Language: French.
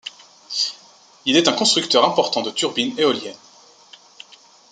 Il est un constructeur important de turbines éoliennes.